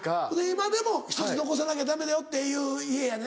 今でも１つ残さなきゃダメだよっていう家やね？